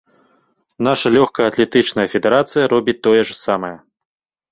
Наша лёгкаатлетычная федэрацыя робіць тое ж самае.